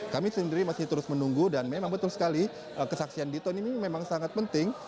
kami sendiri masih terus menunggu dan memang betul sekali kesaksian diton ini memang sangat penting